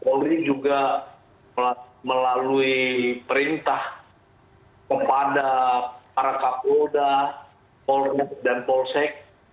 polri juga melalui perintah kepada para kapolda polres dan polsek